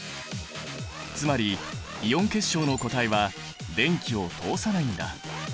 つまりイオン結晶の固体は電気を通さないんだ。